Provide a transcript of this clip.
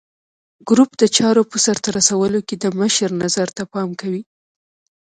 ګروپ د چارو په سرته رسولو کې د مشر نظر ته پام کوي.